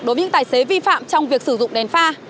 đối với những tài xế vi phạm trong việc sử dụng đèn pha